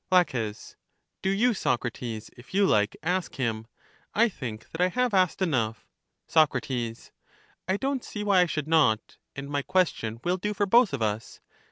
La, Do you, Socrates, if you like, ask him : I think that I have asked enough. Soc, I don't see why I should not; and my ques tion will do for both of us.